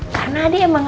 karena adi yang berantem